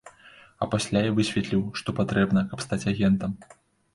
А пасля я высветліў, што патрэбна, каб стаць агентам.